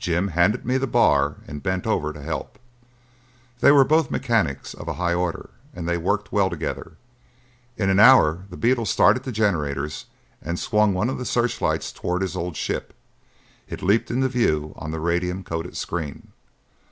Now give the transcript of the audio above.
Jim handed me the bar and bent over to help. They were both mechanics of a high order and they worked well together; in an hour the beetle started the generators and swung one of the searchlights toward his old ship. It leaped into view on the radium coated screen.